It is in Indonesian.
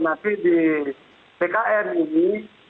masih di pkn ini